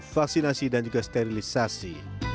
vaksinasi dan juga sterilisasi